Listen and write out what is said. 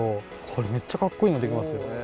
これ、めっちゃかっこいいのできますよ。